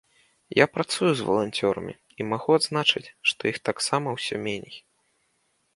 Я працую з валанцёрамі і магу адзначыць, што іх таксама ўсё меней.